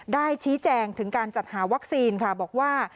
ได้ชี้แจงถึงการจัดหาวัคซีนค่ะบอกว่า